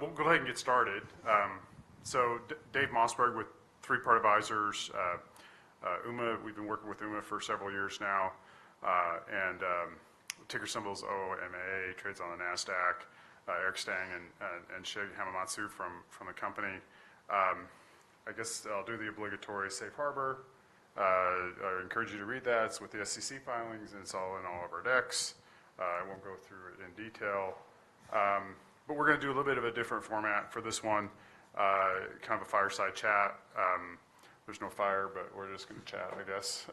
We'll go ahead and get started. Dave Mossberg with Three Part Advisors. Ooma, we've been working with Ooma for several years now, and ticker symbol OOMA trades on the Nasdaq. Eric Stang and Shig Hamamatsu from the company. I guess I'll do the obligatory safe harbor. I encourage you to read that. It's with the SEC filings, and it's all in our decks. I won't go through it in detail, but we're gonna do a little bit of a different format for this one, kind of a fireside chat. There's no fire, but we're just gonna chat, I guess.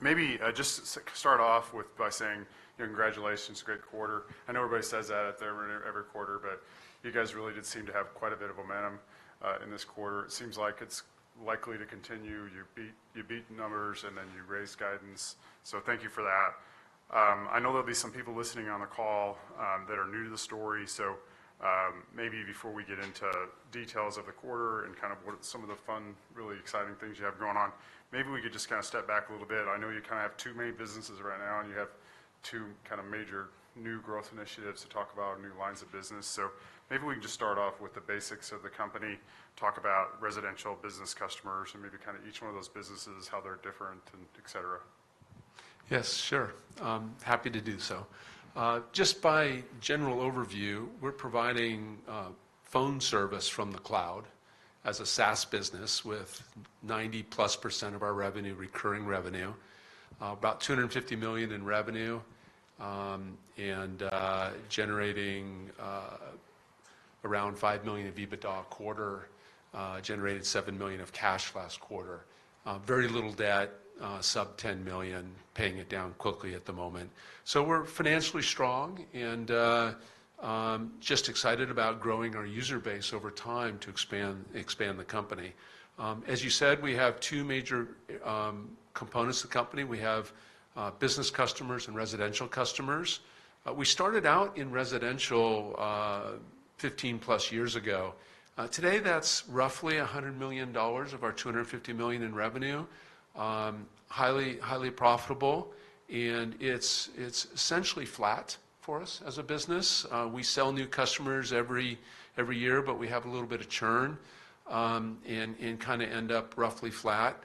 Maybe just start off by saying, you know, congratulations, great quarter. I know everybody says that at every quarter, but you guys really did seem to have quite a bit of momentum in this quarter. It seems like it's likely to continue. You beat the numbers, and then you raised guidance, so thank you for that. I know there'll be some people listening on the call that are new to the story. So, maybe before we get into details of the quarter and kind of what some of the fun, really exciting things you have going on, maybe we could just kind of step back a little bit. I know you kind of have two main businesses right now, and you have two kind of major new growth initiatives to talk about, new lines of business. Maybe we can just start off with the basics of the company, talk about residential business customers, and maybe kind of each one of those businesses, how they're different, and etc. Yes, sure. Happy to do so. Just by general overview, we're providing phone service from the cloud as a SaaS business with 90+% of our revenue recurring revenue. About $250 million in revenue, and generating around $5 million of EBITDA quarter, generated $7 million of cash last quarter. Very little debt, sub-$10 million, paying it down quickly at the moment. So we're financially strong and just excited about growing our user base over time to expand the company. As you said, we have two major components of the company. We have business customers and residential customers. We started out in residential 15+ years ago. Today, that's roughly $100 million of our $250 million in revenue. Highly profitable, and it's essentially flat for us as a business. We sell new customers every year, but we have a little bit of churn, and kind of end up roughly flat.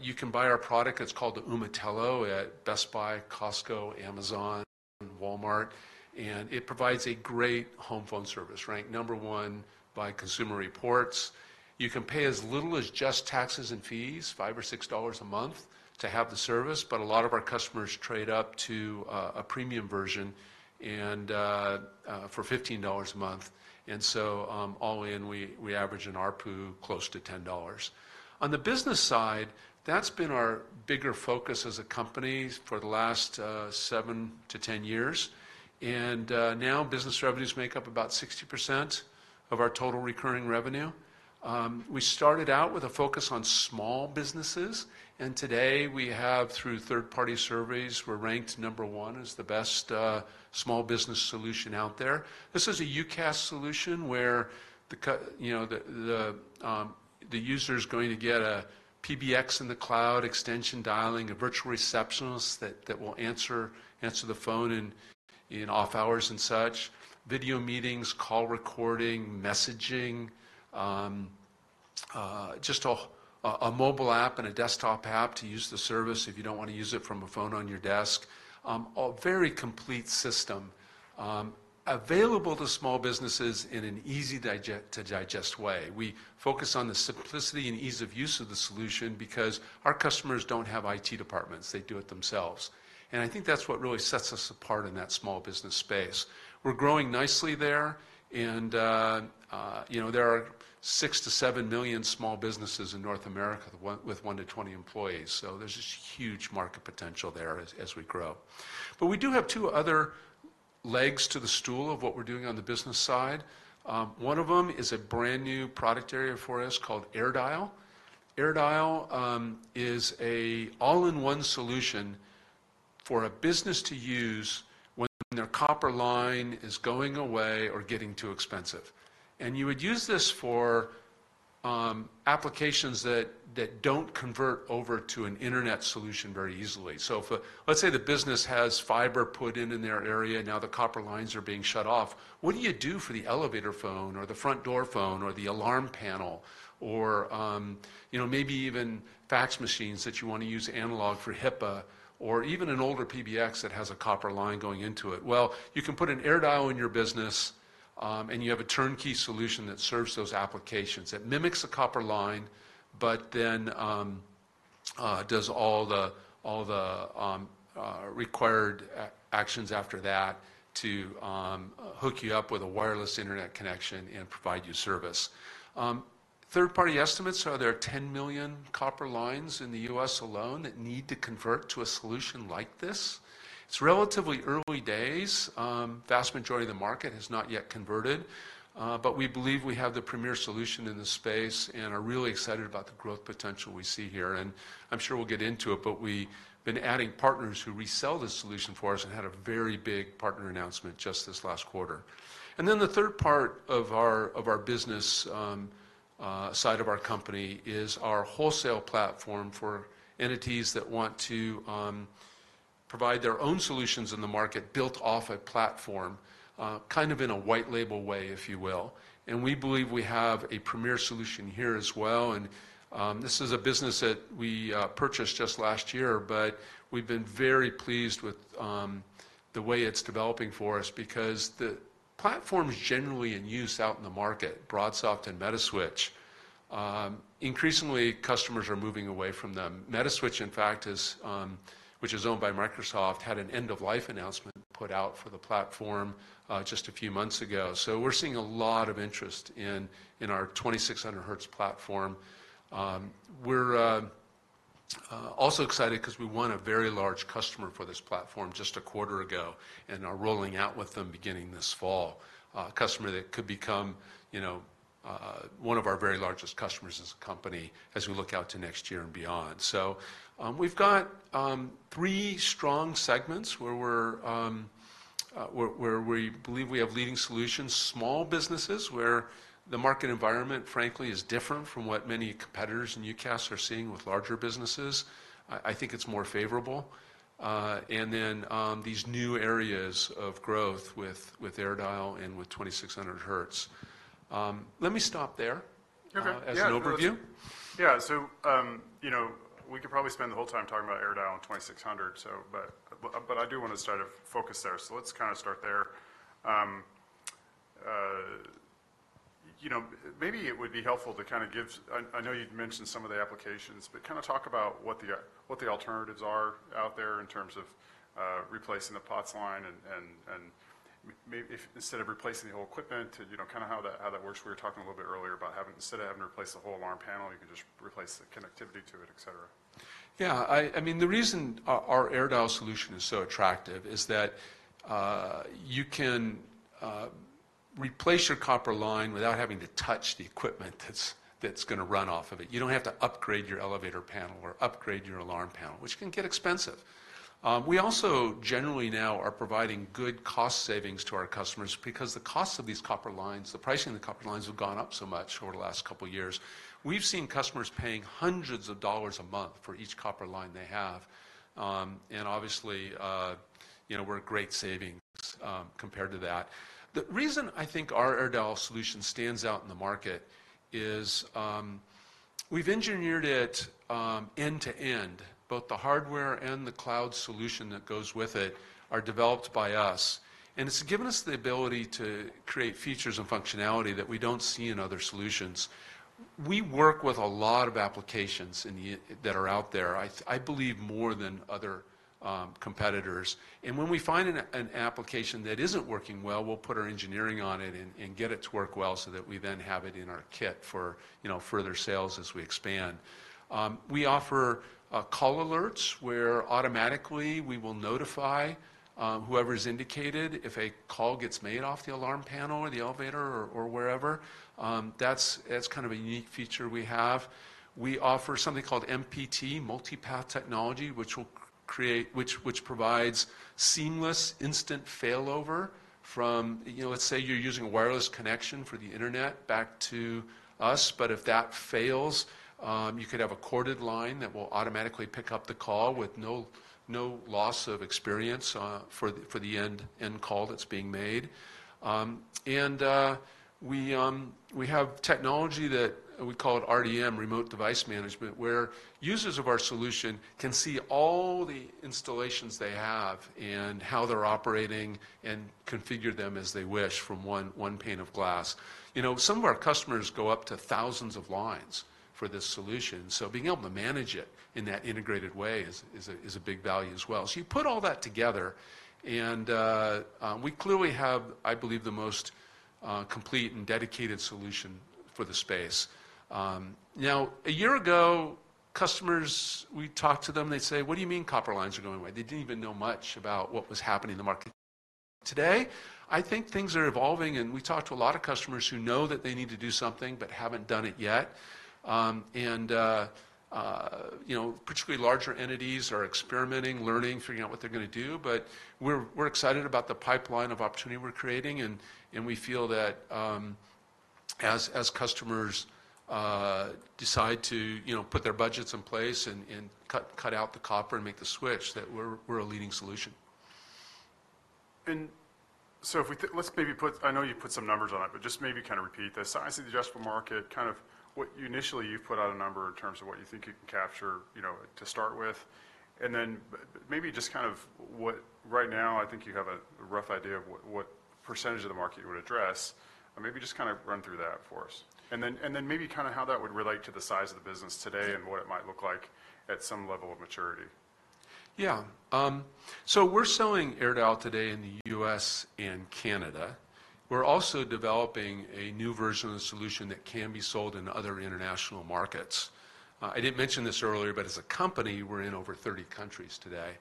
You can buy our product. It's called the Ooma Telo at Best Buy, Costco, Amazon, and Walmart, and it provides a great home phone service. Ranked number one by Consumer Reports. You can pay as little as just taxes and fees, $5 or $6 a month to have the service, but a lot of our customers trade up to a premium version and for $15 a month, and so all in, we average an ARPU close to $10. On the business side, that's been our bigger focus as a company for the last seven to 10 years, and now business revenues make up about 60% of our total recurring revenue. We started out with a focus on small businesses, and today we have, through third-party surveys, we're ranked number one as the best small business solution out there. This is a UCaaS solution where you know the user's going to get a PBX in the cloud, extension dialing, a virtual receptionist that will answer the phone in off hours and such, video meetings, call recording, messaging, just a mobile app and a desktop app to use the service if you don't want to use it from a phone on your desk. A very complete system, available to small businesses in an easy to digest way. We focus on the simplicity and ease of use of the solution because our customers don't have IT departments. They do it themselves, and I think that's what really sets us apart in that small business space. We're growing nicely there, and, you know, there are 6 million-7 million small businesses in North America, with one to 20 employees, so there's this huge market potential there as we grow. But we do have two other legs to the stool of what we're doing on the business side. One of them is a brand-new product area for us called AirDial. AirDial is an all-in-one solution for a business to use when their copper line is going away or getting too expensive, and you would use this for applications that don't convert over to an internet solution very easily. So let's say the business has fiber put in in their area, now the copper lines are being shut off, what do you do for the elevator phone or the front door phone or the alarm panel or, you know, maybe even fax machines that you want to use analog for HIPAA, or even an older PBX that has a copper line going into it? Well, you can put an AirDial in your business, and you have a turnkey solution that serves those applications. It mimics a copper line, but then does all the required actions after that to hook you up with a wireless internet connection and provide you service. Third-party estimates are there are 10 million copper lines in the U.S. alone that need to convert to a solution like this. It's relatively early days. Vast majority of the market has not yet converted, but we believe we have the premier solution in this space and are really excited about the growth potential we see here, and I'm sure we'll get into it, but we've been adding partners who resell this solution for us and had a very big partner announcement just this last quarter. Then the third part of our business side of our company is our wholesale platform for entities that want to provide their own solutions in the market, built off a platform kind of in a white label way, if you will. We believe we have a premier solution here as well. This is a business that we purchased just last year, but we've been very pleased with the way it's developing for us because the platforms generally in use out in the market, BroadSoft and Metaswitch, increasingly, customers are moving away from them. Metaswitch, in fact, is which is owned by Microsoft, had an end-of-life announcement put out for the platform just a few months ago. We're seeing a lot of interest in our 2600Hz platform. We're also excited 'cause we won a very large customer for this platform just a quarter ago and are rolling out with them beginning this fall. A customer that could become, you know, one of our very largest customers as a company, as we look out to next year and beyond. So, we've got three strong segments where we believe we have leading solutions, small businesses, where the market environment, frankly, is different from what many competitors in UCaaS are seeing with larger businesses. I think it's more favorable. And then these new areas of growth with AirDial and with 2600Hz. Let me stop there. Okay, yeah- As an overview. Yeah. So, you know, we could probably spend the whole time talking about AirDial and 2600Hz, so but I do want to start a focus there, so let's kind of start there. You know, maybe it would be helpful to kind of give. I know you'd mentioned some of the applications, but kind of talk about what the alternatives are out there in terms of replacing the POTS line and maybe if instead of replacing the whole equipment, you know, kind of how that works. We were talking a little bit earlier about having, instead of having to replace the whole alarm panel, you can just replace the connectivity to it, et cetera. Yeah, I mean, the reason our AirDial solution is so attractive is that you can replace your copper line without having to touch the equipment that's gonna run off of it. You don't have to upgrade your elevator panel or upgrade your alarm panel, which can get expensive. We also generally now are providing good cost savings to our customers because the cost of these copper lines, the pricing of the copper lines, have gone up so much over the last couple of years. We've seen customers paying hundreds of dollars a month for each copper line they have. And obviously, you know, we're great savings compared to that. The reason I think our AirDial solution stands out in the market is we've engineered it end to end. Both the hardware and the cloud solution that goes with it are developed by us, and it's given us the ability to create features and functionality that we don't see in other solutions. We work with a lot of applications in the universe that are out there, I believe, more than other competitors, and when we find an application that isn't working well, we'll put our engineering on it and get it to work well so that we then have it in our kit for, you know, further sales as we expand. We offer call alerts, where automatically, we will notify whoever's indicated if a call gets made off the alarm panel or the elevator or wherever. That's kind of a unique feature we have. We offer something called MPT, Multi-Path Technology, which provides seamless, instant failover from... You know, let's say you're using a wireless connection for the internet back to us, but if that fails, you could have a corded line that will automatically pick up the call with no loss of experience, for the end call that's being made. We have technology that we call it RDM, Remote Device Management, where users of our solution can see all the installations they have and how they're operating and configure them as they wish from one pane of glass. You know, some of our customers go up to thousands of lines for this solution, so being able to manage it in that integrated way is a big value as well. So you put all that together, and we clearly have, I believe, the most complete and dedicated solution for the space. Now, a year ago, customers we talked to, they'd say: "What do you mean copper lines are going away?" They didn't even know much about what was happening in the market. Today, I think things are evolving, and we talk to a lot of customers who know that they need to do something but haven't done it yet. You know, particularly larger entities are experimenting, learning, figuring out what they're gonna do, but we're excited about the pipeline of opportunity we're creating, and we feel that as customers decide to, you know, put their budgets in place and cut out the copper and make the switch, that we're a leading solution. And so, let's maybe put-- I know you put some numbers on it, but just maybe kind of repeat this. The size of the addressable market, kind of what you initially put out a number in terms of what you think you can capture, you know, to start with, and then maybe just kind of what, right now, I think you have a rough idea of what percentage of the market you would address. Maybe just kind of run through that for us. And then maybe kind of how that would relate to the size of the business today and what it might look like at some level of maturity. Yeah. So we're selling AirDial today in the U.S. and Canada. We're also developing a new version of the solution that can be sold in other international markets. I didn't mention this earlier, but as a company, we're in over 30 countries today.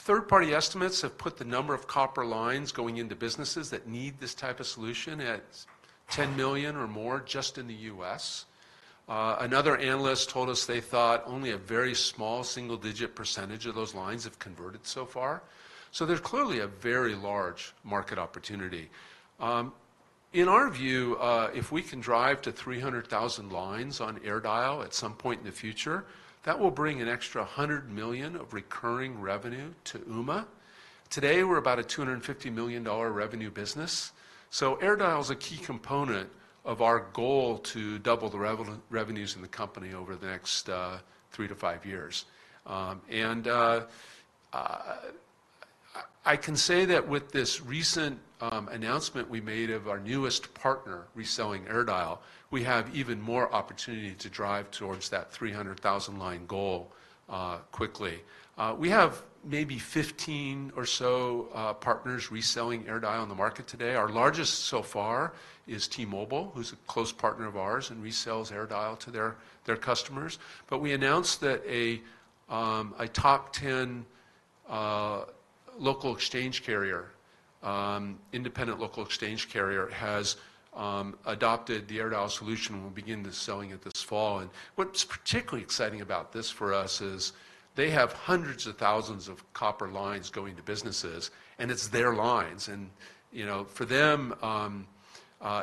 Third-party estimates have put the number of copper lines going into businesses that need this type of solution at 10 million or more, just in the U.S. Another analyst told us they thought only a very small single-digit % of those lines have converted so far. So there's clearly a very large market opportunity. In our view, if we can drive to 300,000 lines on AirDial at some point in the future, that will bring an extra $100 million of recurring revenue to Ooma. Today, we're about a $250 million revenue business, so AirDial is a key component of our goal to double the revenues in the company over the next three to five years, and I can say that with this recent announcement we made of our newest partner reselling AirDial, we have even more opportunity to drive towards that 300,000 line goal quickly. We have maybe 15 or so partners reselling AirDial on the market today. Our largest so far is T-Mobile, who's a close partner of ours and resells AirDial to their customers. But we announced that a top ten local exchange carrier, independent local exchange carrier, has adopted the AirDial solution and will begin selling it this fall. And what's particularly exciting about this for us is they have hundreds of thousands of copper lines going to businesses, and it's their lines, and, you know, for them,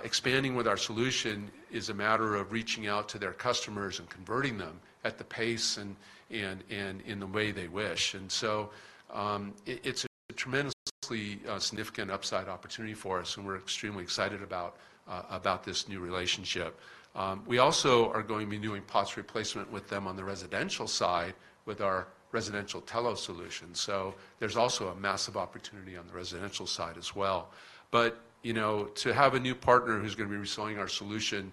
expanding with our solution is a matter of reaching out to their customers and converting them at the pace and in the way they wish. And so, it's a tremendously significant upside opportunity for us, and we're extremely excited about this new relationship. We also are going to be doing POTS replacement with them on the residential side with our residential Telo solution, so there's also a massive opportunity on the residential side as well. But, you know, to have a new partner who's gonna be reselling our solution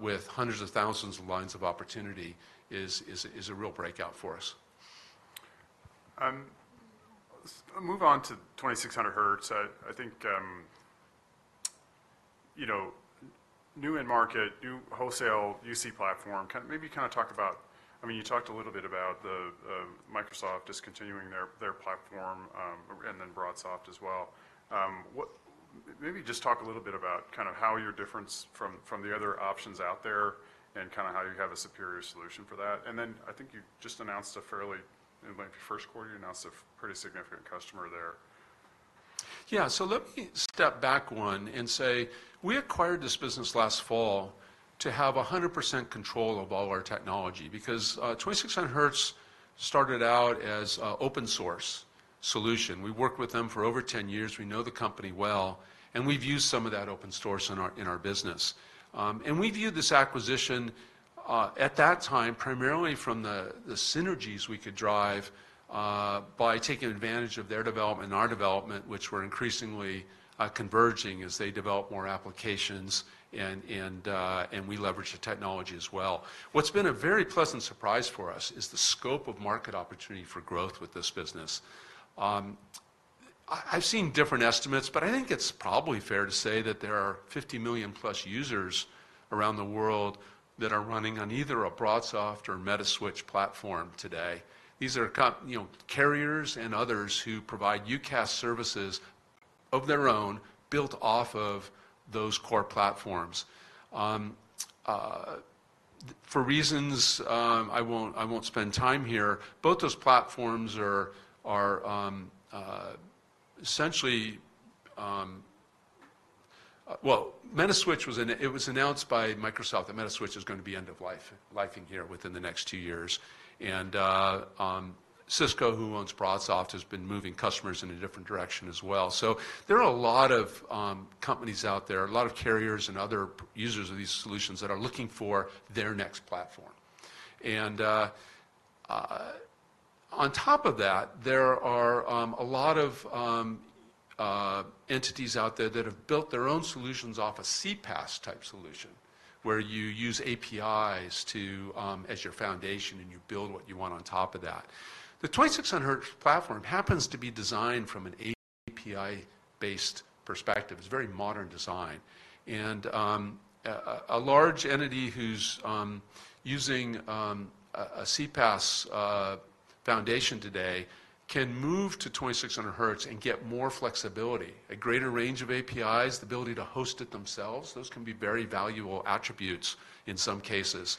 with hundreds of thousands of lines of opportunity is a real breakout for us. Let's move on to 2600Hz. I think, you know, new end market, new wholesale, UC platform, maybe kind of talk about. I mean, you talked a little bit about the Microsoft discontinuing their platform, and then BroadSoft as well. Maybe just talk a little bit about kind of how you're different from the other options out there and kind of how you have a superior solution for that. And then I think you just announced a fairly, it might be first quarter, you announced a pretty significant customer there. Yeah. So let me step back one and say, we acquired this business last fall to have 100% control of all our technology because, 2600Hz started out as an open source solution. We worked with them for over 10 years. We know the company well, and we've used some of that open source in our business. And we viewed this acquisition, at that time, primarily from the synergies we could drive, by taking advantage of their development and our development, which were increasingly converging as they developed more applications and we leveraged the technology as well. What's been a very pleasant surprise for us is the scope of market opportunity for growth with this business. I've seen different estimates, but I think it's probably fair to say that there are 50 million+ users around the world that are running on either a BroadSoft or Metaswitch platform today. These are you know, carriers and others who provide UCaaS services of their own, built off of those core platforms. For reasons, I won't spend time here, both those platforms are essentially. Well, Metaswitch was in a, it was announced by Microsoft that Metaswitch is going to be end-of-lifing-- lifing here within the next two years, and, Cisco, who owns BroadSoft, has been moving customers in a different direction as well. So there are a lot of companies out there, a lot of carriers and other users of these solutions that are looking for their next platform. And on top of that, there are a lot of entities out there that have built their own solutions off a CPaaS-type solution, where you use APIs to as your foundation, and you build what you want on top of that. The 2600Hz platform happens to be designed from an API-based perspective. It's a very modern design, and a large entity who's using a CPaaS foundation today can move to 2600Hz and get more flexibility, a greater range of APIs, the ability to host it themselves. Those can be very valuable attributes in some cases.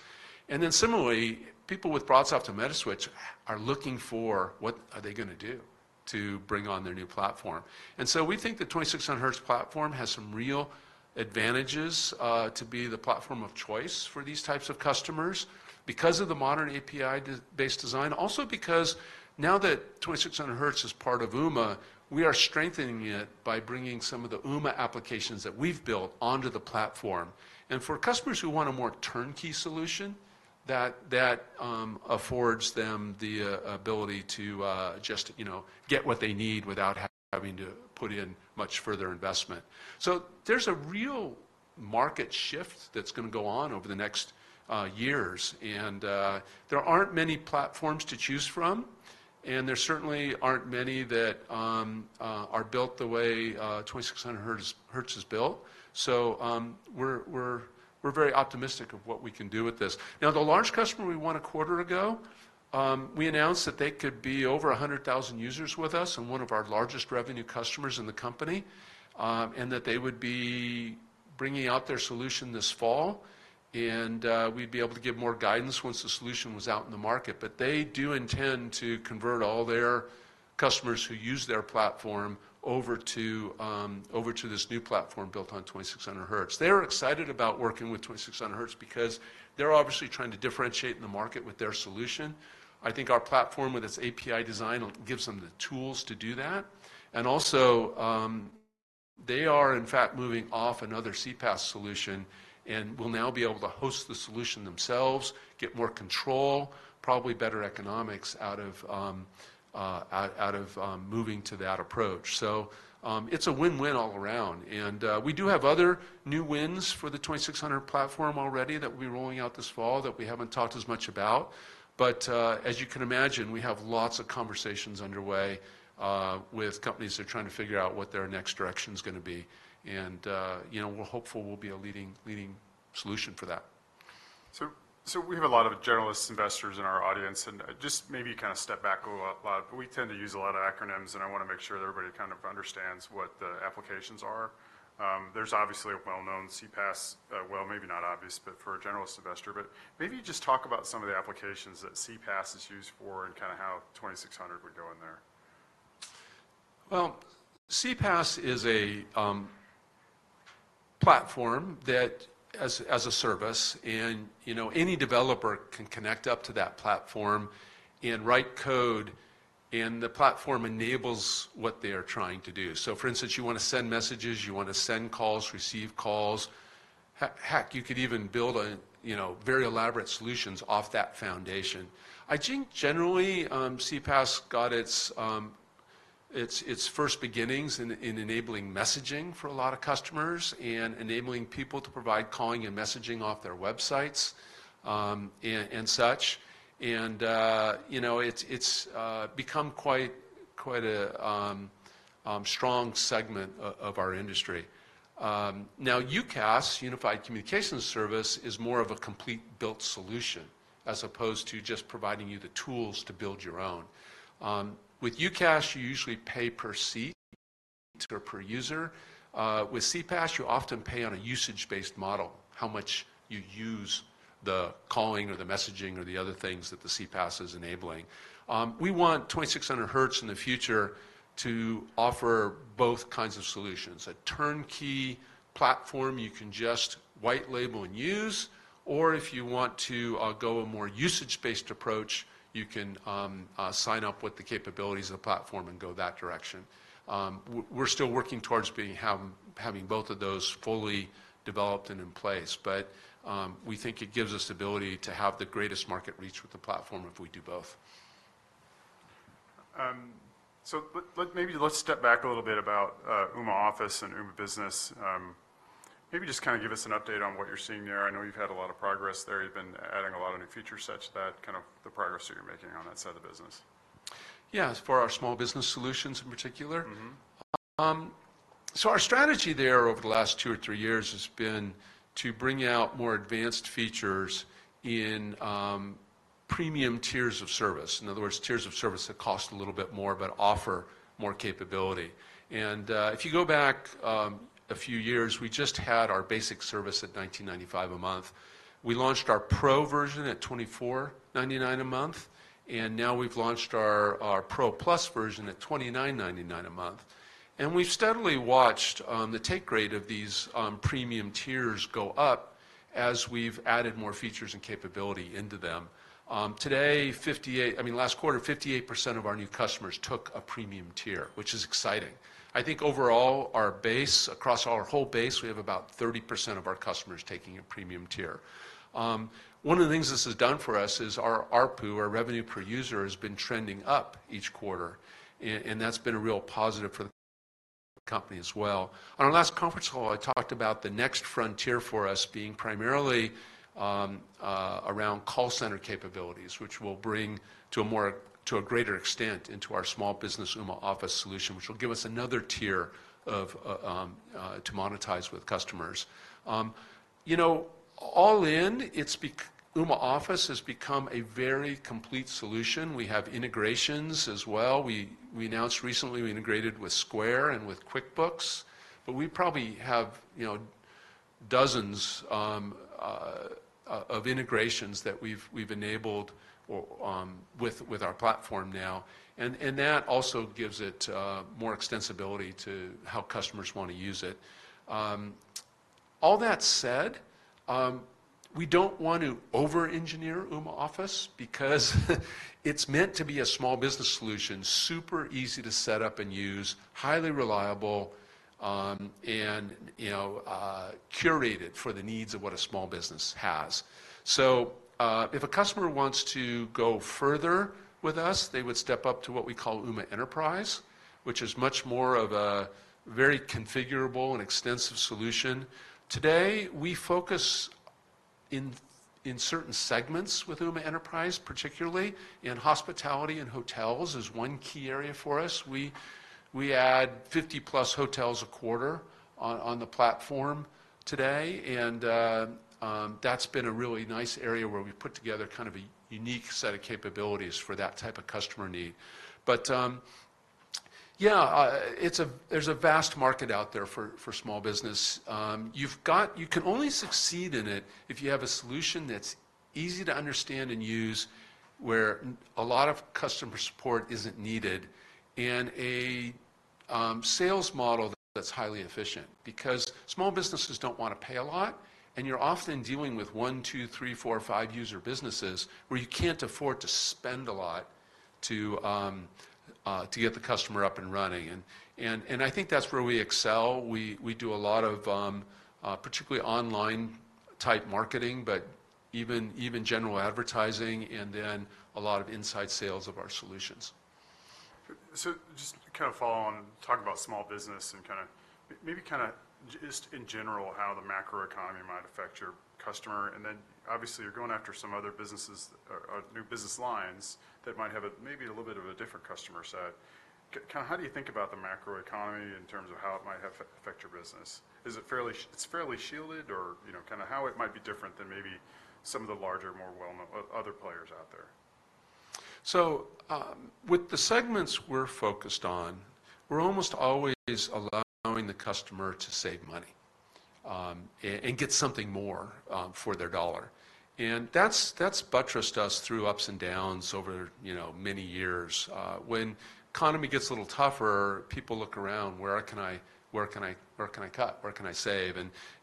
And then similarly, people with BroadSoft and Metaswitch are looking for what are they gonna do to bring on their new platform? And so we think the 2600Hz platform has some real advantages to be the platform of choice for these types of customers because of the modern API-based design, also because now that 2600Hz is part of Ooma, we are strengthening it by bringing some of the Ooma applications that we've built onto the platform. And for customers who want a more turnkey solution, that affords them the ability to just, you know, get what they need without having to put in much further investment. So there's a real market shift that's gonna go on over the next years, and there aren't many platforms to choose from, and there certainly aren't many that are built the way 2600Hz is built. We're very optimistic of what we can do with this. Now, the large customer we won a quarter ago, we announced that they could be over 100,000 users with us and one of our largest revenue customers in the company, and that they would be bringing out their solution this fall, and we'd be able to give more guidance once the solution was out in the market. But they do intend to convert all their customers who use their platform over to this new platform built on 2600Hz. They are excited about working with 2600Hz because they're obviously trying to differentiate in the market with their solution. I think our platform, with its API design, will give them the tools to do that, and also, they are, in fact, moving off another CPaaS solution and will now be able to host the solution themselves, get more control, probably better economics out of moving to that approach. So, it's a win-win all around. And, we do have other new wins for the 2600Hz platform already that we'll be rolling out this fall that we haven't talked as much about. But, as you can imagine, we have lots of conversations underway with companies that are trying to figure out what their next direction is gonna be. And, you know, we're hopeful we'll be a leading solution for that. We have a lot of generalist investors in our audience, and just maybe kind of step back a lot. But we tend to use a lot of acronyms, and I wanna make sure that everybody kind of understands what the applications are. There's obviously a well-known CPaaS, well, maybe not obvious, but for a generalist investor, but maybe just talk about some of the applications that CPaaS is used for and kinda how 2600Hz would go in there. CPaaS is a platform that, as a service, and you know, any developer can connect up to that platform and write code, and the platform enables what they are trying to do. So, for instance, you wanna send messages, you wanna send calls, receive calls, heck, you could even build a you know, very elaborate solutions off that foundation. I think generally, CPaaS got its first beginnings in enabling messaging for a lot of customers and enabling people to provide calling and messaging off their websites, and such. And you know, it's become quite a strong segment of our industry. Now, UCaaS, Unified Communications Service, is more of a complete built solution as opposed to just providing you the tools to build your own. With UCaaS, you usually pay per seat or per user. With CPaaS, you often pay on a usage-based model, how much you use the calling or the messaging or the other things that the CPaaS is enabling. We want 2600Hz in the future to offer both kinds of solutions: a turnkey platform you can just white label and use, or if you want to go a more usage-based approach, you can sign up with the capabilities of the platform and go that direction. We're still working towards having both of those fully developed and in place, but we think it gives us the ability to have the greatest market reach with the platform if we do both. So maybe let's step back a little bit about Ooma Office and Ooma Business. Maybe just kind of give us an update on what you're seeing there. I know you've had a lot of progress there. You've been adding a lot of new features, such that kind of the progress that you're making on that side of the business. Yeah, as for our small business solutions in particular? So our strategy there over the last two or three years has been to bring out more advanced features in premium tiers of service, in other words, tiers of service that cost a little bit more, but offer more capability. And if you go back a few years, we just had our basic service at $19.95 a month. We launched our Pro version at $24.99 a month, and now we've launched our Pro Plus version at $29.99 a month. And we've steadily watched the take rate of these premium tiers go up as we've added more features and capability into them. Today, I mean, last quarter, 58% of our new customers took a premium tier, which is exciting. I think overall, our base, across our whole base, we have about 30% of our customers taking a premium tier. One of the things this has done for us is our ARPU, our revenue per user, has been trending up each quarter, and that's been a real positive for the company as well. On our last conference call, I talked about the next frontier for us being primarily around call center capabilities, which we'll bring to a more, to a greater extent into our small business Ooma Office solution, which will give us another tier of to monetize with customers. You know, all in, Ooma Office has become a very complete solution. We have integrations as well. We announced recently we integrated with Square and with QuickBooks, but we probably have, you know, dozens of integrations that we've enabled or with our platform now, and that also gives it more extensibility to how customers want to use it. All that said, we don't want to over-engineer Ooma Office because it's meant to be a small business solution, super easy to set up and use, highly reliable, and, you know, curated for the needs of what a small business has. So, if a customer wants to go further with us, they would step up to what we call Ooma Enterprise, which is much more of a very configurable and extensive solution. Today, we focus in certain segments with Ooma Enterprise, particularly in hospitality and hotels, is one key area for us. We add 50+ hotels a quarter on the platform today, and that's been a really nice area where we've put together kind of a unique set of capabilities for that type of customer need. But. Yeah, there's a vast market out there for small business. You can only succeed in it if you have a solution that's easy to understand and use, where a lot of customer support isn't needed, and a sales model that's highly efficient. Because small businesses don't want to pay a lot, and you're often dealing with 1, 2, 3, 4, 5-user businesses where you can't afford to spend a lot to get the customer up and running, and I think that's where we excel. We do a lot of particularly online-type marketing, but even general advertising, and then a lot of inside sales of our solutions. So just to kind of follow on, talk about small business and kind of, maybe kind of just in general, how the macroeconomy might affect your customer, and then obviously, you're going after some other businesses or new business lines that might have maybe a little bit of a different customer set. Kind of how do you think about the macroeconomy in terms of how it might have affect your business? Is it fairly shielded, or, you know, kind of how it might be different than maybe some of the larger, more well-known other players out there? So, with the segments we're focused on, we're almost always allowing the customer to save money, and get something more, for their dollar. And that's buttressed us through ups and downs over, you know, many years. When economy gets a little tougher, people look around: Where can I, where can I, where can I cut? Where can I save?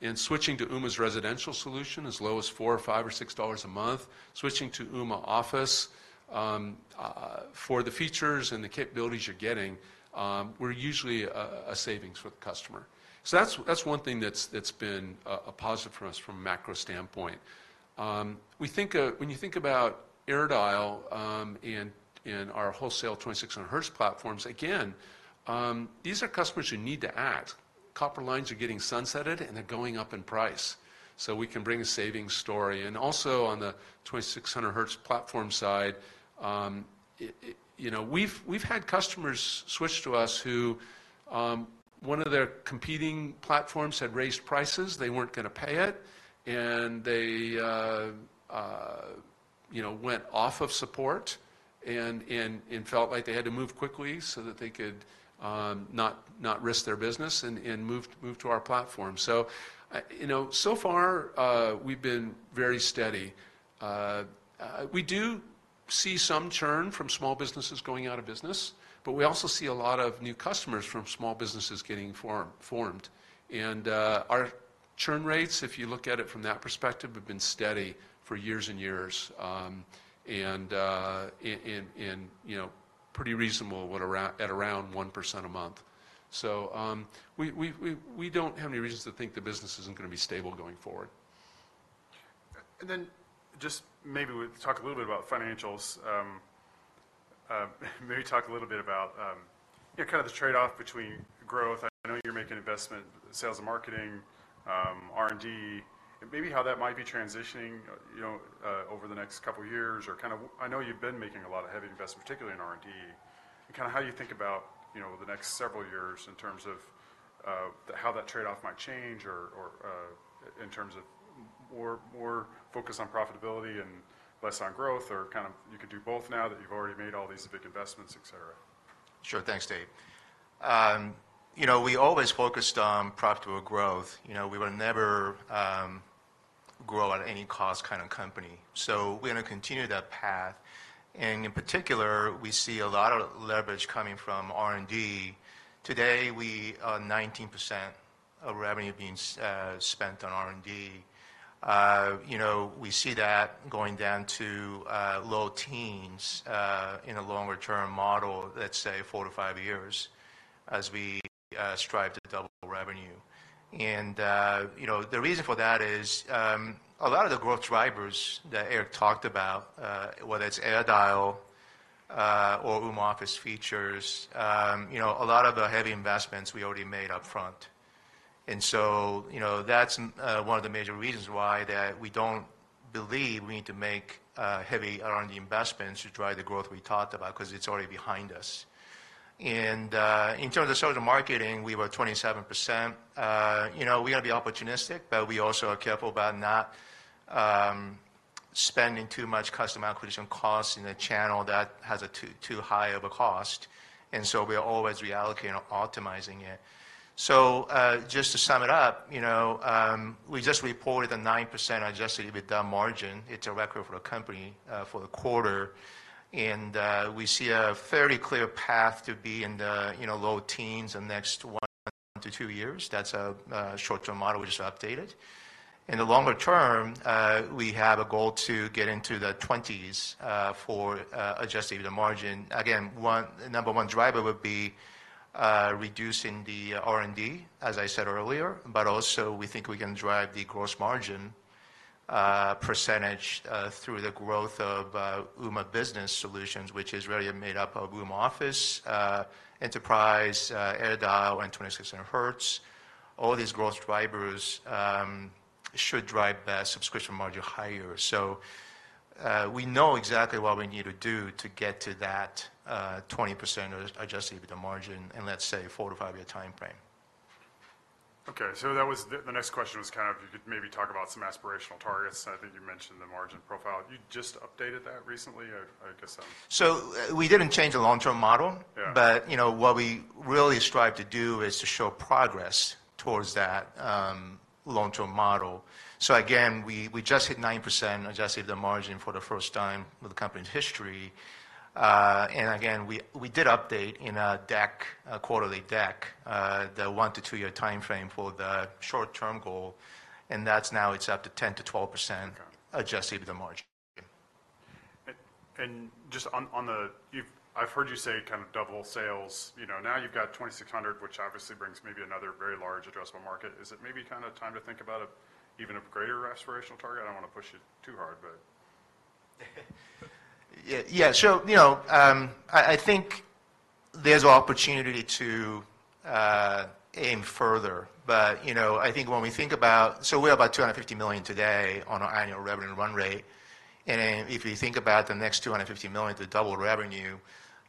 And switching to Ooma's residential solution, as low as $4 or $5 or $6 a month, switching to Ooma Office, for the features and the capabilities you're getting, we're usually a savings for the customer. So that's one thing that's been a positive for us from a macro standpoint. We think of. When you think about AirDial, and our wholesale 2600Hz platforms, again, these are customers who need to act. Copper lines are getting sunsetted, and they're going up in price, so we can bring a savings story. Also, on the 2600Hz platform side, you know, we've had customers switch to us who, one of their competing platforms had raised prices. They weren't gonna pay it, and they, you know, went off of support and felt like they had to move quickly so that they could not risk their business and moved to our platform. So, you know, so far, we've been very steady. We do see some churn from small businesses going out of business, but we also see a lot of new customers from small businesses getting formed. Our churn rates, if you look at it from that perspective, have been steady for years and years, and you know, pretty reasonable, what around, at around 1% a month. So, we don't have any reasons to think the business isn't gonna be stable going forward. And then just maybe we talk a little bit about financials. Maybe talk a little bit about, you know, kind of the trade-off between growth. I know you're making investment, sales and marketing, R&D, and maybe how that might be transitioning, you know, over the next couple of years or kind of. I know you've been making a lot of heavy investment, particularly in R&D, and kind of how you think about, you know, the next several years in terms of, how that trade-off might change or, or, in terms of more focus on profitability and less on growth, or kind of you could do both now that you've already made all these big investments, et cetera. Sure. Thanks, Dave. You know, we always focused on profitable growth. You know, we were never, grow-at-any-cost kind of company, so we're gonna continue that path. And in particular, we see a lot of leverage coming from R&D. Today, 19% of revenue being spent on R&D. You know, we see that going down to low teens % in a longer-term model, let's say four to five years, as we strive to double revenue. And you know, the reason for that is, a lot of the growth drivers that Eric talked about, whether it's AirDial or Ooma Office features, you know, a lot of the heavy investments we already made up front. And so, you know, that's one of the major reasons why that we don't believe we need to make heavy R&D investments to drive the growth we talked about, 'cause it's already behind us. And in terms of sales and marketing, we were 27%. You know, we're gonna be opportunistic, but we also are careful about not spending too much customer acquisition costs in a channel that has a too, too high of a cost, and so we are always reallocating or optimizing it. So just to sum it up, you know, we just reported a 9% adjusted EBITDA margin. It's a record for the company for the quarter, and we see a fairly clear path to be in the low teens the next one to two years. That's a short-term model we just updated. In the longer term, we have a goal to get into the 20s for adjusted EBITDA margin. Again, the number one driver would be reducing the R&D, as I said earlier, but also, we think we can drive the gross margin percentage through the growth of Ooma Business Solutions, which is really made up of Ooma Office, Enterprise, AirDial, and 2600 Hz. All these growth drivers should drive the subscription margin higher. So, we know exactly what we need to do to get to that 20% adjusted EBITDA margin in, let's say, four- to five-year timeframe. Okay, so that was the next question was kind of you could maybe talk about some aspirational targets, and I think you mentioned the margin profile. You just updated that recently? I guess, We didn't change the long-term model. Yeah. But, you know, what we really strive to do is to show progress towards that, long-term model. So again, we just hit 9% adjusted margin for the first time in the company's history. And again, we did update in a deck, a quarterly deck, the one to two-year timeframe for the short-term goal, and that's now. It's up to 10%-12%-- Okay... adjusted to the margin. I've heard you say kind of double sales. You know, now you've got 2600Hz, which obviously brings maybe another very large addressable market. Is it maybe kind of time to think about an even greater aspirational target? I don't want to push it too hard, but. Yeah, yeah. So, you know, I think there's opportunity to aim further. But, you know, I think when we think about. So we're about $250 million today on our annual revenue run rate, and if you think about the next $250 million to double revenue,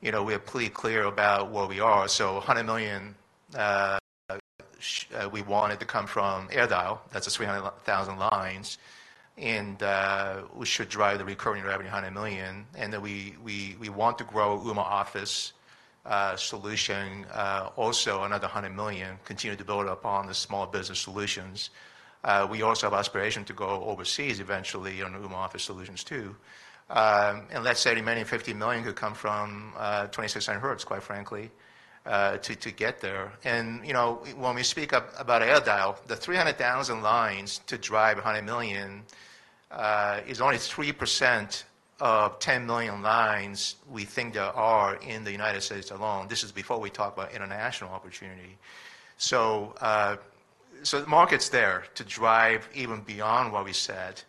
you know, we are pretty clear about where we are. So $100 million, we want it to come from AirDial. That's the 300,000 lines, and we should drive the recurring revenue, $100 million, and then we want to grow Ooma Office solution also another $100 million, continue to build upon the small business solutions. We also have aspiration to go overseas eventually on Ooma Office Solutions too. Let's say maybe $50 million could come from 2600Hz, quite frankly, to get there. You know, when we speak about AirDial, the 300,000 lines to drive $100 million is only 3% of 10 million lines we think there are in the United States alone. This is before we talk about international opportunity. The market's there to drive even beyond what we said.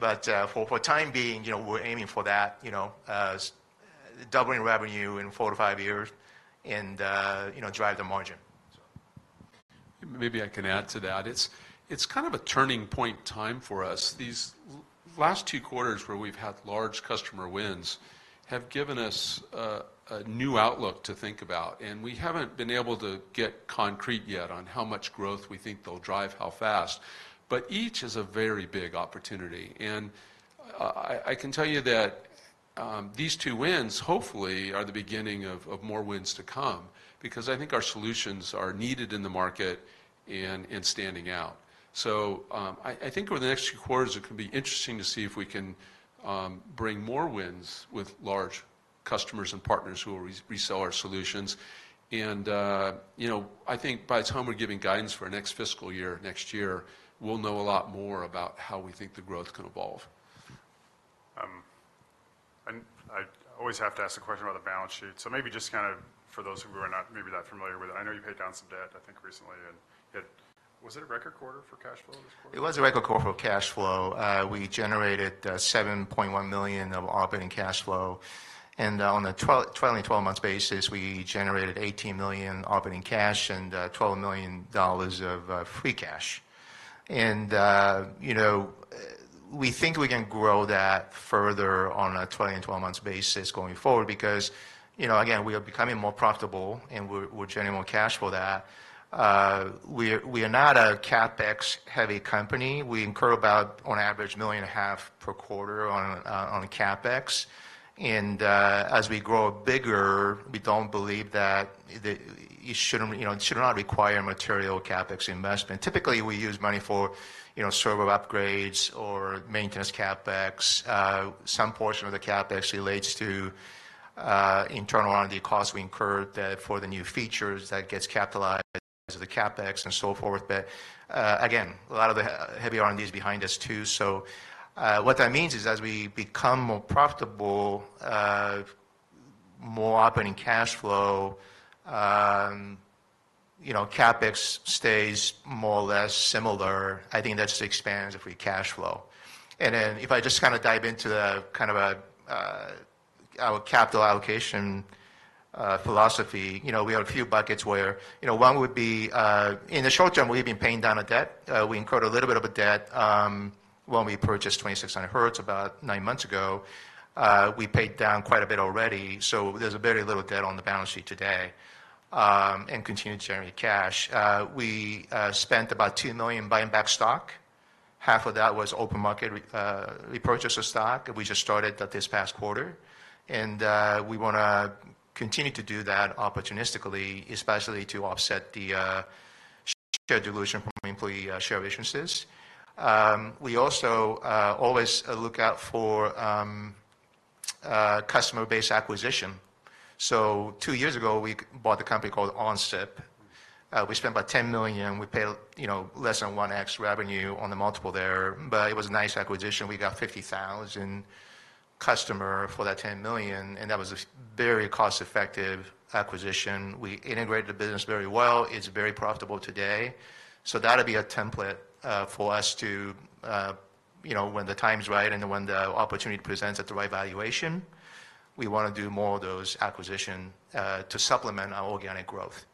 But for the time being, you know, we're aiming for that, you know, doubling revenue in four, five years and, you know, drive the margin. Maybe I can add to that. It's kind of a turning point time for us. These last two quarters where we've had large customer wins have given us a new outlook to think about, and we haven't been able to get concrete yet on how much growth we think they'll drive, how fast. But each is a very big opportunity, and I can tell you that these two wins hopefully are the beginning of more wins to come because I think our solutions are needed in the market and standing out. So I think over the next few quarters it could be interesting to see if we can bring more wins with large customers and partners who will resell our solutions. You know, I think by the time we're giving guidance for our next fiscal year, next year, we'll know a lot more about how we think the growth can evolve. I always have to ask a question about the balance sheet. So maybe just kind of for those who are not maybe that familiar with it, I know you paid down some debt, I think, recently, and was it a record quarter for cash flow this quarter? It was a record quarter for cash flow. We generated $7.1 million of operating cash flow, and on a trailing 12 months basis, we generated $18 million operating cash and $12 million of free cash. And, you know, we think we can grow that further on a 20 months basis going forward because, you know, again, we are becoming more profitable, and we're generating more cash for that. We are not a CapEx-heavy company. We incur about, on average, $1.5 million per quarter on CapEx, and as we grow bigger, we don't believe that the-- It shouldn't, you know, it should not require material CapEx investment. Typically, we use money for, you know, server upgrades or maintenance CapEx. Some portion of the CapEx relates to internal R&D costs we incur that for the new features that gets capitalized as the CapEx and so forth. But again, a lot of the heavy R&D is behind us too. So what that means is as we become more profitable, more operating cash flow, you know, CapEx stays more or less similar. I think that just expands if we cash flow. And then if I just kind of dive into the kind of our capital allocation philosophy, you know, we have a few buckets where, you know, one would be in the short term, we've been paying down a debt. We incurred a little bit of a debt when we purchased 2600Hz about nine months ago. We paid down quite a bit already, so there's very little debt on the balance sheet today, and continue to generate cash. We spent about $2 million buying back stock. Half of that was open market repurchase of stock. We just started that this past quarter, and we wanna continue to do that opportunistically, especially to offset the share dilution from employee share issuances. We also always look out for customer-base acquisition. So two years ago, we bought a company called OnSIP. We spent about $10 million, and we paid, you know, less than 1x revenue on the multiple there, but it was a nice acquisition. We got 50,000 customer for that $10 million, and that was a very cost-effective acquisition. We integrated the business very well. It's very profitable today. That'll be a template for us to, you know, when the time is right and when the opportunity presents at the right valuation, we want to do more of those acquisition to supplement our organic growth.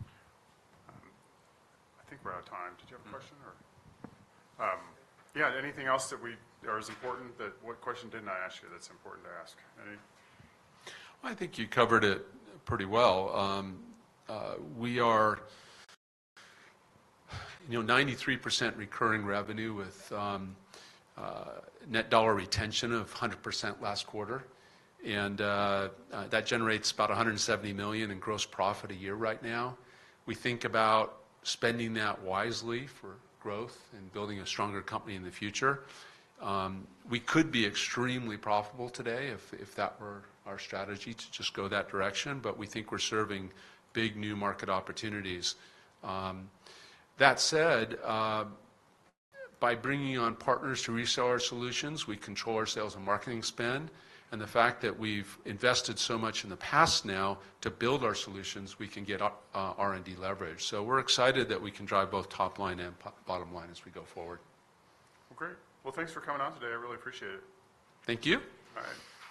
I think we're out of time. Did you have a question, or-- Yeah, anything else that we, or is important, that what question didn't I ask you that's important to ask? Any? I think you covered it pretty well. We are, you know, 93% recurring revenue with net dollar retention of 100% last quarter, and that generates about $170 million in gross profit a year right now. We think about spending that wisely for growth and building a stronger company in the future. We could be extremely profitable today if, if that were our strategy, to just go that direction, but we think we're serving big new market opportunities. That said, by bringing on partners to resell our solutions, we control our sales and marketing spend, and the fact that we've invested so much in the past now to build our solutions, we can get R&D leverage. So we're excited that we can drive both top line and bottom line as we go forward. Well, great. Well, thanks for coming on today. I really appreciate it. Thank you. All right.